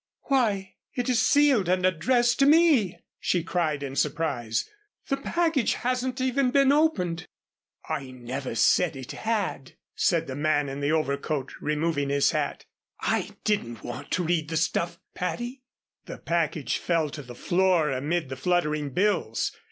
"Why, it is sealed and addressed to me!" she cried, in surprise. "The package hasn't even been opened." "I never said it had," said the man in the overcoat, removing his hat. "I didn't want to read the stuff, Patty." The package fell to the floor amid the fluttering bills.